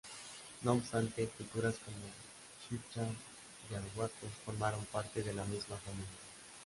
No obstante, culturas como chibcha y arahuacos formaron parte de la misma familia.